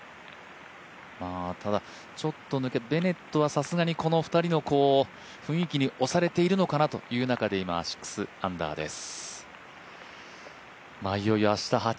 ただ、ベネットはこの２人の雰囲気にさすがに押されてるのかなという中で今６アンダーです。